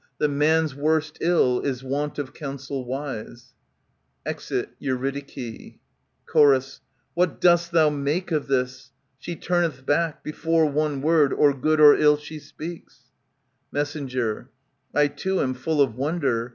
That man's worst ill is want of counsel wise. [Exif EURYDIKE. C/}or, What dost thou make of this? She turneth back. Before one word, or good or ill, she speaks. Mess, I too am full of wonder.